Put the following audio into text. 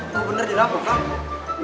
tahu bener dia apa